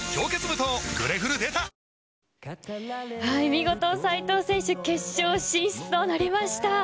見事、斉藤選手決勝進出となりました。